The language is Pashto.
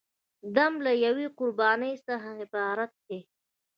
دم له یوې قربانۍ څخه عبارت دی.